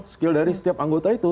skill dari setiap anggota itu